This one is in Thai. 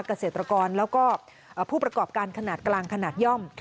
เกษตรกรแล้วก็ผู้ประกอบการขนาดกลางขนาดย่อม